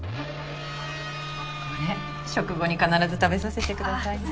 これ食後に必ず食べさせてくださいね。